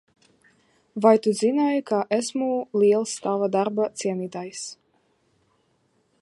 Vai tu zināji, ka esmu liels tava darba cienītājs?